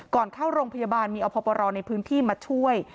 เข้าโรงพยาบาลมีอพปรในพื้นที่มาช่วย